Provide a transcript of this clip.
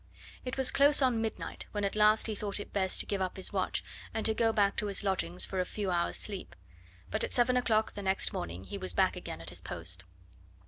It was close on midnight when at last he thought it best to give up his watch and to go back to his lodgings for a few hours' sleep; but at seven o'clock the next morning he was back again at his post.